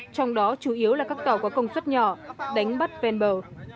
trong đó chủ yếu là các tàu có công suất nhỏ đánh bắt ven bờ